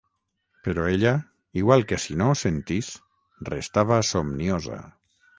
Però ella igual que si no ho sentís, restava somniosa